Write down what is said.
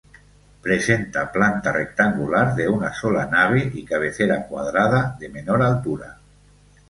Presenta planta rectangular de una sola nave y cabecera cuadrada de menor altura.